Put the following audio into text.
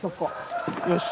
よし。